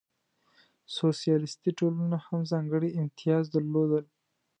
سوسیالیستي ټولنو هم ځانګړې امتیازات درلودل.